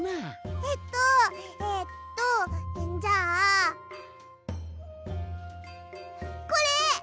えっとえっとじゃあこれ！